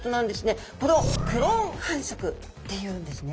これをクローン繁殖っていうんですね。